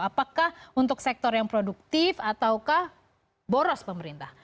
apakah untuk sektor yang produktif ataukah boros pemerintah